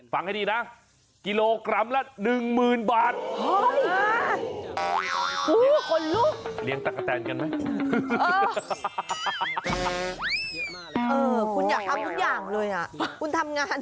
ฟังให้ดีนะกิโลกรัมละ๑๐๐๐บาท